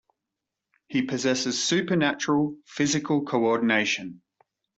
He possesses supernatural physical coordination.